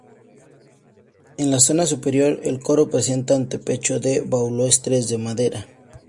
En la zona superior el coro presenta antepecho de balaustres de madera.